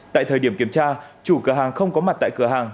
tại thời điểm kiểm tra chủ cửa hàng không có mặt tại cửa hàng